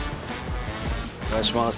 お願いします。